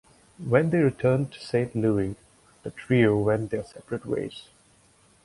When they returned to Saint Louis the trio went their separate ways.